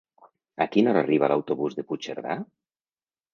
A quina hora arriba l'autobús de Puigcerdà?